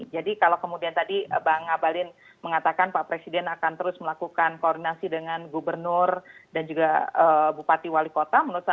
jadi kalau kemudian tadi bang abalin mengatakan pak presiden akan terus melakukan koordinasi dengan gubernur dan juga bupati wali kota